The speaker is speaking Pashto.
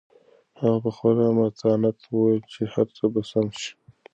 هغې په خورا متانت وویل چې هر څه به سم شي.